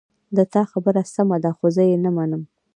د تا خبره سمه ده خو زه یې نه منم